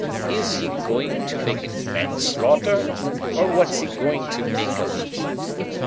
Is he going to make it manslaughter, or what's he going to make of it?"